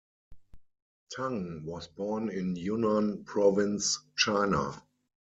Tang was born in Yunnan province, China.